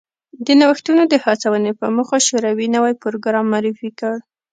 د نوښتونو د هڅونې په موخه شوروي نوی پروګرام معرفي کړ